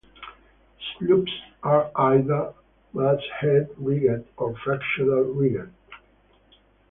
Sloops are either masthead-rigged or fractional-rigged.